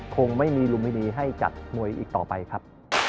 คงไม่มีลุมให้ดีให้จัดมวยอีกต่อไปครับ